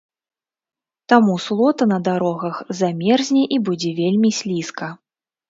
Таму слота на дарогах замерзне і будзе вельмі слізка.